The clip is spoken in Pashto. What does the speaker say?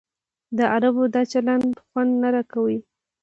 د عربو دا چلند خوند نه راکوي.